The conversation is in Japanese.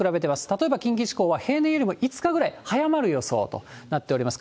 例えば近畿地方は平年よりも５日ぐらい早まる予想となっております。